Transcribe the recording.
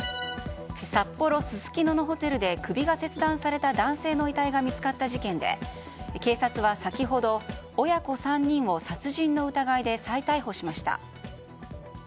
札幌・すすきののホテルで首が切断された男性の遺体が見つかった事件で警察は、先ほど親子３人を殺人の疑いで再逮捕しました。